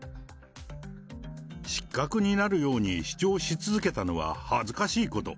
失格になるように主張し続けたのは恥ずかしいこと。